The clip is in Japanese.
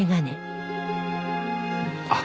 あっ！